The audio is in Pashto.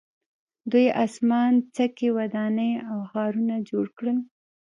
دوی اسمان څکې ودانۍ او ښارونه جوړ کړل.